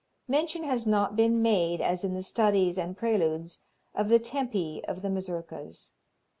Mention has not been made, as in the studies and preludes, of the tempi of the Mazurkas.